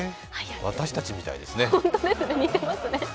私たちみたいですね。